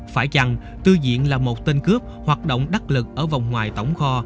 phải chăng tư diện là một tên cướp hoạt động đắc lực ở vòng ngoài tổng kho